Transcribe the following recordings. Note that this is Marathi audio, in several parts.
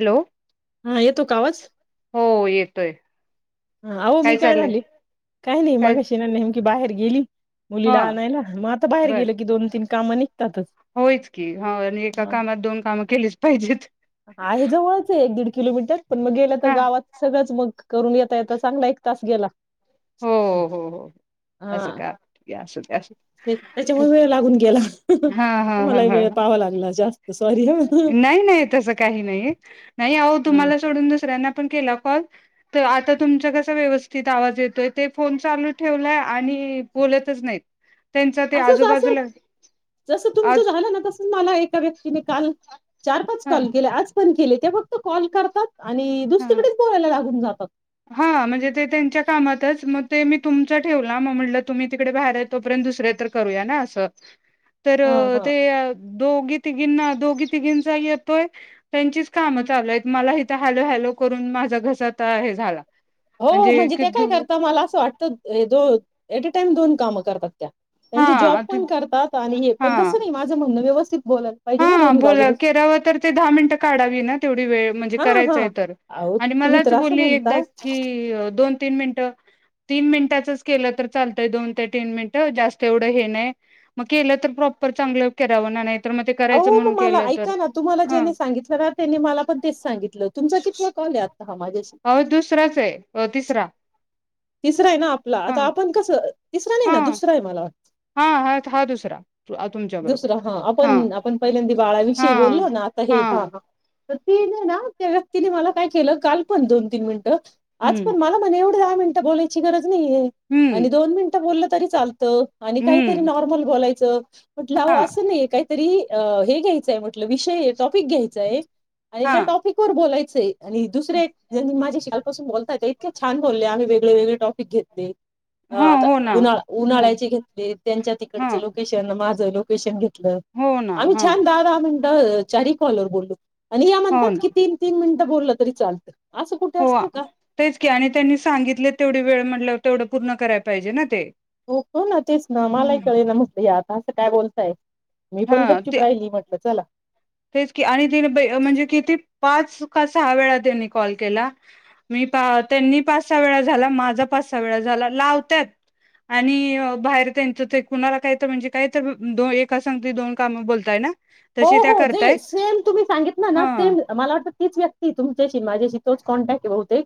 हॅलो, हा येतो का हो येतोय. हं आहो मी काय झाली काही नाय काय मगाशी ना मी बाहेर गेली? हा मुलीला अनायला, म आता बाहेर बर गेले कि दोन-तीन कामानी होयच की हा आणि एका कामात दोन कामं केलीच पाहिजेत. आहेजवळच आहे एक दीड किलोमीटर पन मग गेलं का हा गावात सगळंच मग करून येता-येता चांगला एक तास गेला. हो हो हो असं हा, का असू दे असू ते दे त्याच्यामुळे वेळ लागून गेला हा हा हा तुम्हालाही हा वेळ पाहावा लागला जास् नाही नाही तसं काही नाही. नाही आहो तुम्हाला सोडून दुसऱ्यांना पण केला कॉल, त आता तुमचा कसा व्यवस्थित आवाज येतोय ते फोन चालू ठेवलाय आणि बोलतच नाहीत. त्यांचा ते असच असं आजूबाजूला जसं तुमचं आज झालं ना तस मला एका व्यक्तीने काल चार-पाच हा कॉल केल्या आज पण केले ते फक्त कॉल करतात आणि हा दुसरीकडेच बोलायला लागून जातात. तेच म ते मी तुमचा ठेवला म म्हटलं तुम्ही तिकडे बाहेर आहे तोपर्यंत दुसर्या तर करूया ना असं तर हा हा ते आ दोघी ती तिघींना दोघे तिघींचा येतोय त्यांचीच काम चालू आहेत, मला हितं हा हॅलो हॅलो करून माझा घसा तर हे झाला. हो म्हणजे ते काय करता मला असं वाटतं हे दो एट टाइम दोन कामं करतात त्या हा त्यांचा जॉब पण करतात आणि हे पण हा जसं नाही आहे माझं म्हणण व्यवस हा बोला केरावा तर ते दहा मिनटं काढावी ना तेवढी वेळ म्हणजे हा हा करायचं तर अहो आणि तुम्ही मलाच तर असं बोलली एकदा म्हणता की दोन-तीन मिनिट तीन मिनिटाचच केल तर चालतंय दोन ते तीन मिनिटं जास्त एवढं हे नाही मग केलं तर प्रॉपर चांगलं केरावं ना नाही ते करायचं हो म्हणून मग मला केलं तर ऐका ना तुम्हाला ह ज्याने सांगितलं ना त्यांनी मला पण तेच सांगितलं. तुमचा कितवा कॉल आहे आ अहो दुसराच आहे. अ तिसरा तिसरा आहे ना आपला हा आता आपण कसं तिसरा नाही हा ना दुसरा आहे मला, हा हा हा दुसरा तुमच्या बरोबर दुसरा हा आपण आपण पहिल्यांदि हा बाळाविषयी बोललो ना आता हे हा हा. तर ती नाही ना त्या व्यक्तीने मला काय केलं काल पण दोन तीन मिनिटं आज हम्म पण मला म्हणे दहा मिन बोलायची गरज नाही हम्म आणि दोन मिनिट बोललं तर तरी चाल तं आणि काहीतरी हम्म नॉर्मल बोलायचं म्हंटल्याव हा असं नाही काहीतरी अ हे घ्यायचंय म्हटलं, विषय टॉपिक घ्यायचाय आणि हा ज्या टॉपिकवर बोलाय चे आणि दुसरे एक ज्यांनी माझ्याशी कालपासून बोलतायेत इतकं छान बोलल्या. आम्ही वेग वेगवेगळे टॉपिक घेतले. ह हा आता हो ना उन्हाळा ह उन्हाळ्याचे घेतले, त्यांच्या हा तिकडचं लोकेशन माझं झं लोकेशन घेत लं. हो ना आम्ही हा छान दहा दहा मिनिटं अ चारही कॉलवर बोललो. आणि या हो म्हणतात ना की तीन तीन मिनिटं बोललं तरी चालतंय. हो आ, तेच की आणि त्यांनी सांगितलेत तेवढी वेळ म्हटल्यावर तेवढं पूर्ण कराय पाहिजे ना ते. हो हो ना तेच ना मलाही हम्म कळे ना म्हंटलं यात. असं काय बोलताय? मीपण हा ते गपचीप राहिली, म्हटलं चला. तेच की आणि तिने पै म्हणजे किती पाच का सहा वेळा त्यांनी कॉल केला. मी पा त्यांनी पाच सहा वेळा झाला, माझा पाच सहा वेळा झाला. लावत्यात आणि अ बाहेर त्यांच ते कुणाला काहीतर म्हणजे काहीतर दो एक संगतीत दोन कामं बोलताय ना? हो तशी त्या हो करतायत [unintelligible] सेम तुम्ही सांगितल ह ना, सेम मला वाटतं तीच व्यक्ती तुमच्याशी माझ्याशी तोच कॉन्टॅक्ट बहुतेक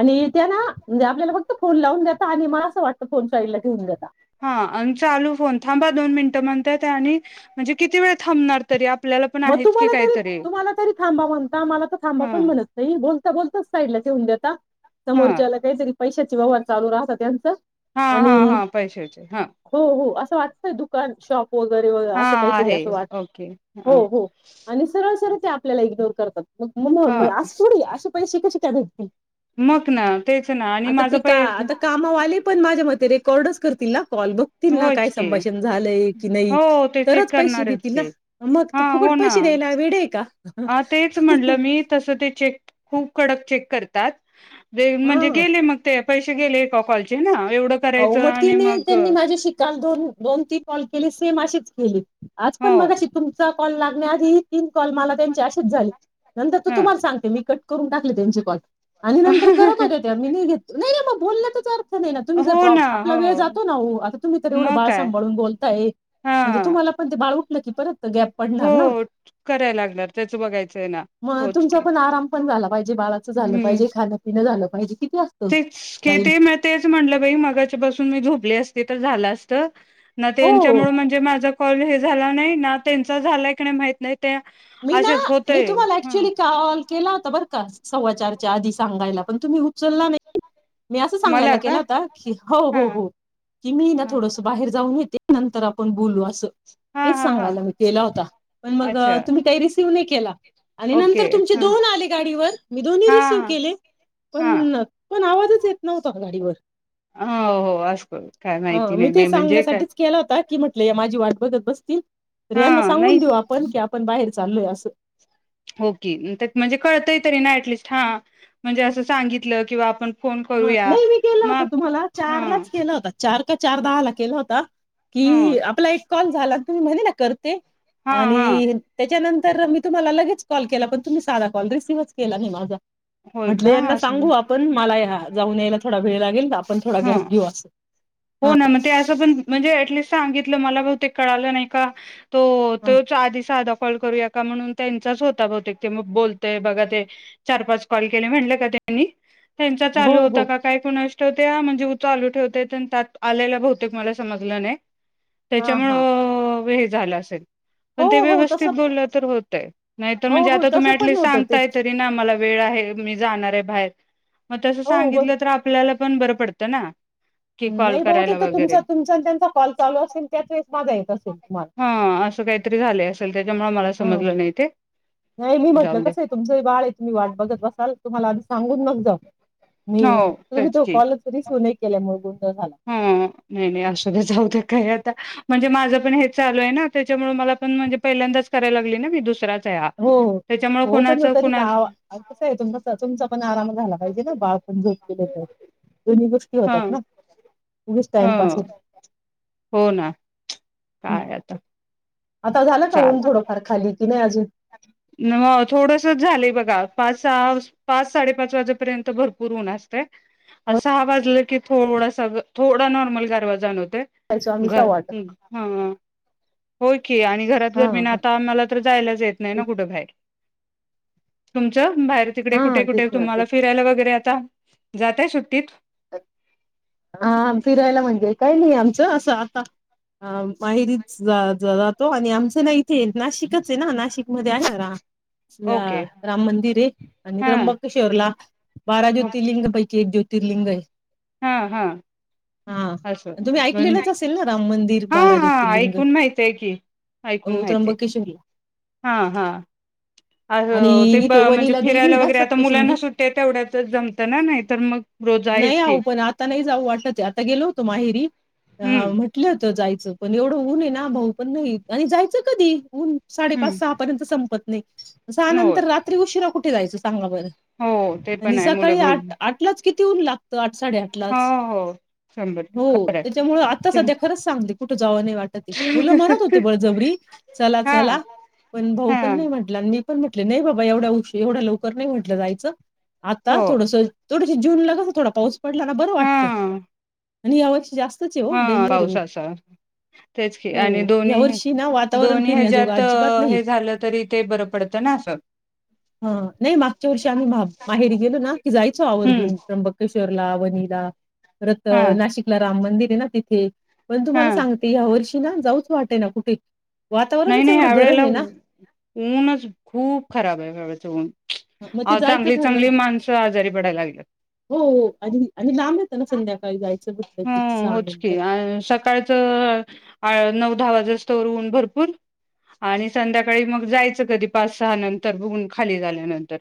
आणि त्या ना, म्हणजे आपल्याला फक्त फोन लावून देता आणि मला असं वाटत फोन साईडला ठेवून देता. हा आणि चालू फोन थांबा दोन मिनटं म्हणत्यात्या आणि म्हणजे किती वेळ थांबणार तरी आप मग तुम्हाला तरी, तुम्हाला तरी थांबा म्हणता. मला थांबा हा पण म्हणत नाही बोल बोलताच साईडला ठेवून देता. हा समोरच्याला कायतरी पैशाचे व्यवहार चालू राहतात यांचं. हा हा हा पैशाचे हा. हो हो असं वाटतंय दुकान शॉप वगैरे वग हा असं काहीतरी आहे असं वाट ओके ह हो हो आणि सरळ सरळ ते आपल्या एकदा विचारतात. मग मो म असं सोडूया असे पैसे कसे त्या भेटतील. मग ना तेच ना आणि आता माझं ते का, पहि आता कामावाली पण माझ्या मते रेक - - कॉर्डर्स करतील ना कॉल बघतील ना? होयच काय की संभाषण झालंय की नाही हो ते चेक तरच पैसे करणारच देतील की ना. मग हा ते फुकट हो पैसे द्यायला वेळ आहे का ना तेच म्हणलं मी तसं ते चेक - - खूप कडक चेक करतात. हा म्हणजे गेले मग ते. पैसे गेले एका कॉलचे हा. एवढं करायचं आणि मग- - शिकाल दोन दोन तीन कॉलची - - केली सेम अशीच केली. आज हो पण मगाशी तुमचा- - कॉल लागण्याआधी- - कॉल मला त्यांचे असेच झाले नंतरचा ह तुम्हाला सांगते मी कट - - करून टाकले त्यांचे कॉल. आणि नंतर करत होत्या त्या मी नाही घे नाही नाही मग बोलण्यातच अर्थ नाही. तुम्ही जर हो प्रा ना आपला हो वेळ जातो ना ओ आता तुम्ही तर एवढं मग बाळ काय सांभाळून बोलताय हा म्हणजे तुम्हाला पण ते बाळ उठ - - ल की परत - - गॅप पडणार ना. हो करायला लागणार त्याच बघायचंय ना मग होच तुमचा की पण आराम पण झाला पाहिजे. बाळाचं झालं पाहिजे. खाण पिन झालं- - पाहिजे. किती असतं. तेचं के बाईल तेच मिळतयचं म्हंटल - - मी मगाच्या पासून मी झोपले असते तर झालं असत. न हो त्यांच्यामुळे म्हणजे माझं- - कॉल हे झाला नाही ना त्यांचा झालाय का नाही माहित नाही. ते मी ना असेच मी होतय तुम्हाला ह ऍक्च्युली काल - - केला होता बरं का सव्वाचारच्या आधी सांगायला पण तुम्ही उचलला नाही. मी असं मला सांगायला का केला होता की हो हा हो हो की मी ना हा थोडस बाहेर जाऊन येते. नंतर आपण बोलू. हा हेच हा सांगायला मी केला होता पण अच्छा मग- - शिवनी केला. आणि नंतर ओके तुमचे हा दोन आले गाडीवर मी दोन्ही रिसिव्ह हा केले. हा पण पण आव [unintelligible] येत नव्हता का गाडीवर हा हो असको काय हा माहिती मी नाय ते म म्हणजे काय? सांगण्यासाठीच केला होता की म्हटले माझी वाट बघत बसतील. तर हा यांना सांगून नाही देऊ आपण की आप पणं बाहेर चाललोय असं ओके त्यात म्हणजे कळतय तरी ना ऍटलीस्ट हां म्हणजे असं सांगितलं किंवा आपण फोन हां करूया नाही मी केला होता मग तुम्हाला ह चारलाचं केला होता चार चार दहा ला केला होता. ह की आपला एक कॉल झाला तुम्ही म्हणे ना कर ए हा हा आणि त्याच्यानं तर मी तुम्हाला लगेच कॉल केला पण तुम्ही साधा कॉल रिसीवच केला नाय माझा. होय म्हटले का यांना असं सांगू आपण मलाया जाऊन यायला थोडा वेळ लाग [unintelligible] हा, हो ना म ते असं पण म्हणजे ऍटलीस्ट सांगितलं मला बहुतेक कळालं नाय का? तो हा. तो चार दिसाडा कॉल करूया का म्हणून त्यांचाच होता बहुतेक ते मग बोलतय बघा ते चार पाच कॉल केले म्हनले का त्यांनी? त्यांचा हो चालू होता हो काय कुणास ठाऊक त्या म्हणजे उचालू ठेवते त्यात आलेला बहुतेक मला समजलं नाय. हा हा त्याच्यामुळं वेळेत झालं असेल पण हो ते हो व्यवस्थित तसं बोललं तर होतयं नाहीतर हो म्हणजे हो आता तुम्ही तसं पण ऍटलीस्ट होतं ते सांगताय तरी ना मला वेळ आहे मी जाणारय बाहेर. म तसं हो हो सांगितलं तर आपल्याला पण बरं पडतं ना की कॉल नाय बहुतेक करायला त वगैरे तुमचा तुमचा त्यांचा कॉल चालू असेल त्याच वेळेस माझा येत असेल. तुम्हाला हा असं काहीतरी झालं असेल. त्याच्यामुळे मला हं समजलं नाही ते नाय मी म्हटलं जाऊ दे कसंय तुमचं बाळय तुम्ही वाट बघत बसाल तुम्हाला आधी सांगून मग जाऊ मी हो तुम्ही तो कॉल रिसिव्ह नाय केल्या मुळगून - - हं नाही नाही असुदे जाऊ दे काय यात - - म्हणजे माझं पण हेच चालूय ना त्याच्यामुळे मला पण म्हणजे पहिल्यांदाच कराला लागली ना मी दुसरा - - हो हो होपण तरी ना कस आहे तुम तुमचा पण आराम झाला पाहिजे ना बाळ पण झोप - - ठीक हाय साहेब. दोन्ही गोष्टी होतात ना. उगीच टाइमपास हं होतो. हो ना हं. काय आता आता झाला का चाल ऊन थोडंफार खाली? कि नाही अजुन - - मग थोडस झालं बघा पाच सहा पाच साडे पाच वाजेपर्यंत भरपूर ऊन असतय. हो सहा वाजलं की थोडसा थोडा नॉर्मल गारवा जाणवत जायचो [unintelligible] आम्ही घर सव्वा आठ हं हा हो की आणि घरात हा [unintelligible] हा आता आम्हाला तर जायलाच येत नाही ना तेच कुठं बाहेर तुमचं - - बाहेर तिकडे हा कुठे कुठे तेच ना तुम्हाला तेच. फिरायला वगैरे आता? जाते सुट्टीत अ हा फिरायला म्हणजे काही नाही आमच असं आता माहेरीच जातो आणि आम नाही. ते नाशिकच हेना नाशिक मध्ये आहे. ओके राम मंदिर हे आणि हा त्र्यंबकेशोवरला बारा ज्योतिर्लिंग पैकी एक ज्योत तिर्लिंग हाईत. हं हं असं तुम्ही पण ऐकलेलंच असेल ना राम मंदिर हं बारा हं ज्योतिर्लिंग ऐकून माहिती हाय की ऐकून हो माहिती त्र्यंबकेश्वरला हाय. हा हा. आणि अं ते इथे म्हणजे वनिला देवी आहे फिरायला ना वगैरे आता मुलांना सप्तशृंगी सुट्टी आहे तेवढ्यातच जमतं ना. नाही तर मग रोज नाही आहेच की आहो पण आता नाही जाऊ वाटत आता गेलो होतो माहेरी हा हम्म म्हटलं होत जायचं पण एवढं ऊन आहे ना भाऊ पण नाही आणि जायचं कधी ऊन साडेपाच हम्म सहा पर्यंत संपत्त सहा होय नंतर रात्री उशीरा कुठ कुठे जायचं सांगा बरं हो ते पण आणि आहे मुलं सकाळी आठ आठलाच किती ऊन लाग आठ हो साडेआठलाच हो शंभर हो खरं त्याच्यामूळ आता सध्या खरंच सांगते कुठ जावं नाही वाटत आहे. मुलं म्हणत होती बळ जबरी चला हा चला पण भाऊ हा पण नाही म्हटलं. आणि मी पण म्हटल नाही बाबा एवढ्या उशी एवढ्या लवकर नाही म्हटलं जायचं. आता हो थोडस थोड जून लाग थोडा पाऊस पडला ना बरं हा वाटत. आणि यावर्षी जास्त हा डेंजर ये पाऊस असा तेच की आणि हो या दोन्ही वर्षी ना वातावरण दोन्ही फिरण्याजोगा ह्याच्यात अजिबात नाही हे झालं तरी ते बरं पडतं ना असं नाही मागच्या वर्षी आम्ही माहेरी गेलो ना की जायचो आवर् हम्म [unintelligible] चरला वनीिला रत हा नाशिकला राम मंदिर, ना तिथे पण तुम्हाला हा सांगते या वर्षी जाऊच वाटे ना कुठे नाही वातावरणच नाही एवढं ह्या गरम वेळेला आहे ना, ऊनच खूप खराब आहे ह्यावेळेच ऊन मग ते अ जायचं चांगली घरलं चांगली माणसं आजारी पडायला हो आणि आणि लाब ह होच की नंतर अ सकाळच नऊ दहा वाजेस्तवरऊन भरपूर आणि संध्याकाळी मग जायचं कधी पाच सहा नंतर बघून खाली झाल्यानंतर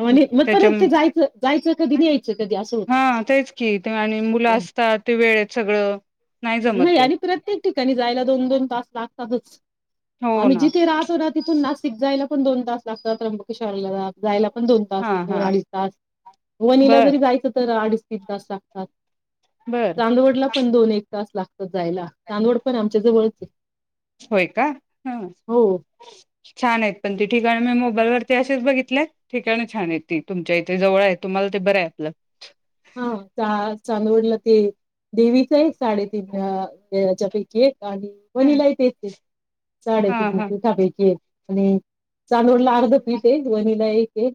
मग त्याच्या परत ते जायचं जायचं कधी न्यायचं कधी असं हा होतं. तेच की आणि मुलं अ, असतात. ते वेळेत सगळं जमत नाही ते आणि प्रत्येक ठिकाणी जायला दोन दोन तास लागत. सहज हो आम् ना. जिथेहतो ना तिथून नासिक जायला पण दोन तास लागात त्र्यंबकेश्राला जायला पण दोन तास हा दोन हा अडीच तास वनीला जरी बर जायचं तर अडीच त ति लागतात. बर चांदवडला पण दोन एक पाच लाख जायला तांदवड पण आमच्या जवळ ह होय का? हं छान आहेत पण ते [unintelligible] मोबाईलवर- असेच बघितल्या ठिकाणी छान आहेत ते. तुमच्या इथे जवळ आहे. तुम्हाला ते बरं आहे आपलं. हा -आज चांदवडला ते देवीच आहे न साडेतीन ह्या च्या पैकी- आणि हा वणीला ही तेच की हा साडेतीन हा [unintelligible] पैकी. आणि- चांदवडला हा अर्ध पीठ आहे आनी वनीला एक ह.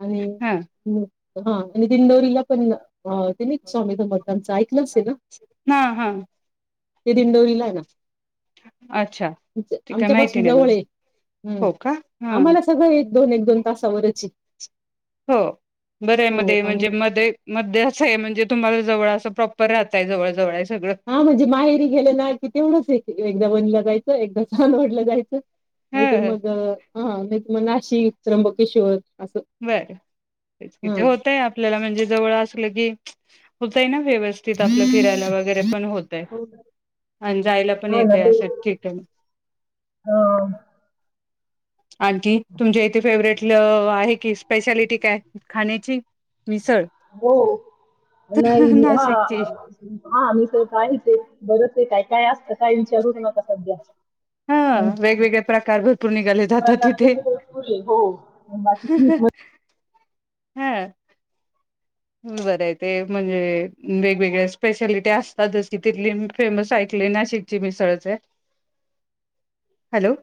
आणि- ह- आनी हो आणि दिंडोरीला पण त्यांनीच स्वामी [unintelligible] असेल ना ह हं. ते दिंडोरी ला आहे ना अच्छा ते काय आमच्या माहिती पासून नाही मला जवळ आहे. हम्म- हो का हा आम्हाला सगळं दोन एक दोन तासावरच आहे. हो -बऱ्या मध्ये आणि म्हणजे मध्ये मध्ये असं आहे म्हणजे तुम्हाला जवळ असं प्रॉपर राहटा येईल जवळ जवळ सगळं हा म्हणजे माहेरी गेलं ना की तेवढंच एकदा वणीला जाय - एकदा छान वाटलं जायचं नाहीतर ह मग हाहां नाही तर मग नाशिक, त्र्यंबकेश्वर असं बर -तेच कि, हा ते होतय आपल्याला म्हणजे जवळ असलं की होतय ना? व्यवस्थित आपलं फिरायला वगैरे पण होतय आणि जायला पण हा ना येतय ते अशा ठिकाणी अ आणखी? तुमच्या इथे फेवरेट आहे. कि स्पेशालिटी काय? खाण्याची मिसळ हो नाही मी हा नाशिकची हा मी स आहेच आहे बरतर काय काय असत? काय विचारूच नका सध्या हा वेगवेगळे प्रकार भरपूर निघाले जातात प्रकार तिथे तसे भरपूर आहे हो बाकीच हम्. बरं आहे ते म्हणजे वेगवेगळ्या स्पेशालिटी असतातच कि तिथली फेमस ऐकलेय ते नाशिकची मिसळच. हॅलो